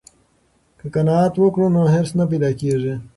که قناعت وکړو نو حرص نه پیدا کیږي.